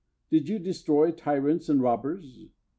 Did you destroy tyrants and robbers?